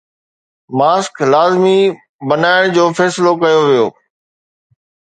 mask لازمي بڻائڻ جو فيصلو ڪيو ويو